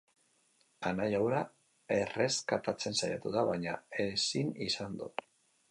Anaia hura erreskatatzen saiatu da, baina ezin izan du.